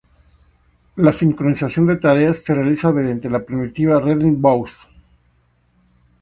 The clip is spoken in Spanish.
La sincronización de tareas se realiza mediante la primitiva rendezvous.